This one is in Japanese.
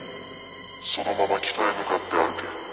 「そのまま北へ向かって歩け」